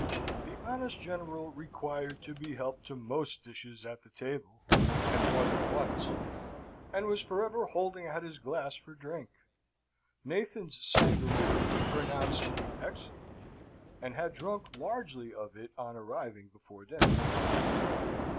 The honest General required to be helped to most dishes at the table, and more than once, and was for ever holding out his glass for drink; Nathan's sangaree he pronounced to be excellent, and had drunk largely of it on arriving before dinner.